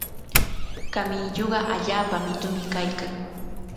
Kamiñuqa allaapa mitumi kaykan.